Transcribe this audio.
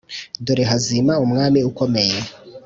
Dore hazima umwami ukomeye